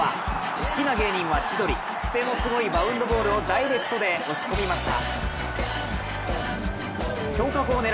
好きな芸人は千鳥、癖のすごいバウンドボールをダイレクトで押し込みました。